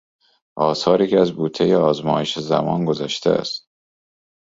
آثاری که از بوتهی آزمایش زمان گذشته است.